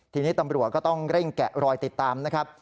ทีนี้ตำรวจก็ต้องเร่งแกะรอยติดตามนะครับ